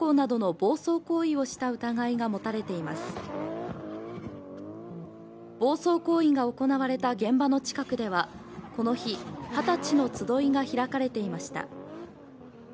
暴走行為が行われた現場の近くでは、この日、二十歳の集いが開かれていました。